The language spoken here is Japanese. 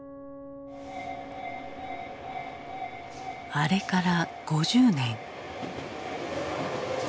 あれから５０年。